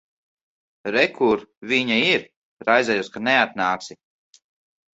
Re, kur viņa ir. Raizējos, ka neatnāksi.